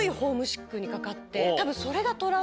多分。